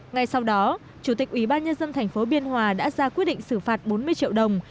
ngay sau đó chủ tịch ủy ban nhân dân tp biên hòa đã ra quyết định xử phạt bốn mươi triệu đồng